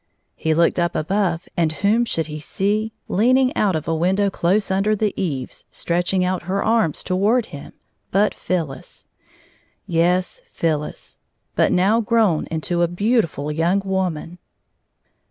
He looked up ahove, and whom should he see, leaning out of a window close under the eaves, stretching out her arms toward him, but PhyUis, Yes, Phyllis; but now grown into a beautiftil young woman.